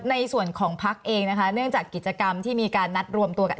ในส่วนของพักเองนะคะเนื่องจากกิจกรรมที่มีการนัดรวมตัวกัน